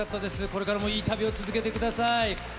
これからもいい旅を続けてください。